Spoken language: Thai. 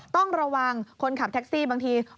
ต้องระวังคนขับแท็กซี่บางที